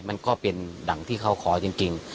มันก็เป็นดังที่เขาขอจริง